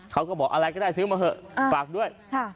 เขาก็บอกอะไรก็ได้ซื้อมาเถอะฝากด้วย